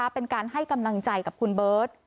เป็นการให้กำลังใจกับคุณเบิร์ต